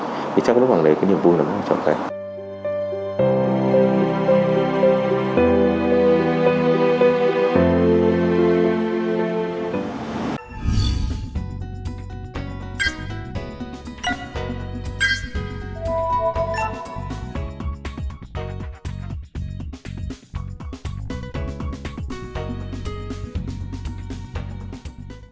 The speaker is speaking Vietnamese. thì chắc lúc này cái niềm vui này mới quan trọng đến